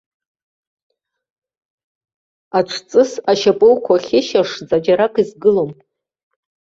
Аҽҵыс ашьапоуқәа хьышьашӡа џьарак изгылом.